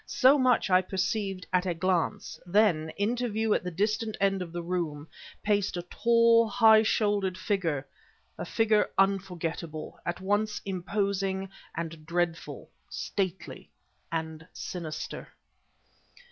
So much I perceived at a glance; then, into view at the distant end of the room, paced a tall, high shouldered figure a figure unforgettable, at once imposing and dreadful, stately and sinister.